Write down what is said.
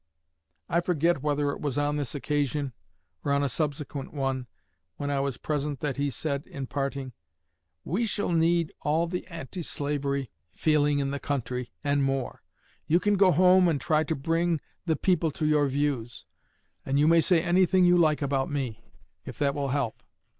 I forget whether it was on this occasion or on a subsequent one when I was present that he said, in parting: 'We shall need all the anti slavery feeling in the country, and more; you can go home and try to bring the people to your views; and you may say anything you like about me, if that will help.